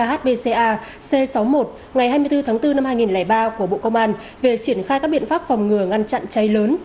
số chín mươi một khbca c sáu mươi một ngày hai mươi bốn tháng bốn năm hai nghìn ba của bộ công an về triển khai các biện pháp phòng ngừa ngăn chặn cháy lớn